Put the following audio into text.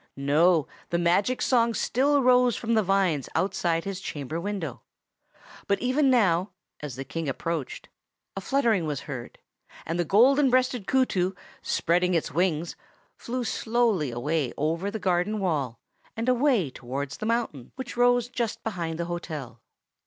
No, the magic song still rose from the vines outside his chamber window. But even now, as the King approached, a fluttering was heard, and the Golden breasted Kootoo, spreading its wings, flew slowly away over the garden wall, and away towards the mountain which rose just behind the hotel.